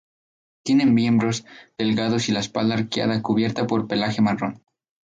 Tiene miembros delgados y la espalda arqueada cubierta por pelaje marrón.